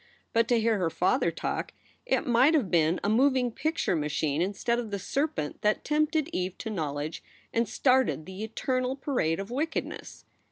But to hear her father talk, it might have been a moving picture machine instead of the serpent that tempted Eve to knowledge and started the eternal parade of wickedness.